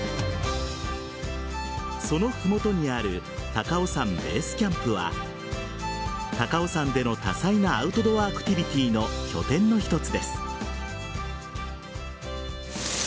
そのふもとにある高尾山ベースキャンプは高尾山での多彩なアウトドアアクティビティの拠点の一つです。